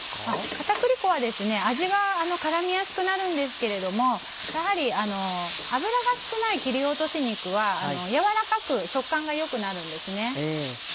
片栗粉は味が絡みやすくなるんですけれどもやはり脂が少ない切り落とし肉は軟らかく食感が良くなるんですね。